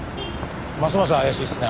ますます怪しいですね